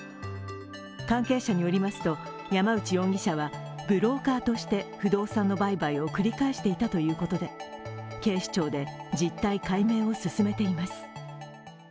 関係者によりますと、山内容疑者はブローカーとして不動産の売買を繰り返していたということで警視庁で実態解明を進めています。